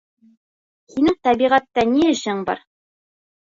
Һинең тәбиғәттә ни эшең бар?